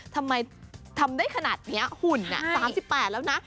ทำไมทำได้ขนาดนี้หุ่น๓๘แล้วนะ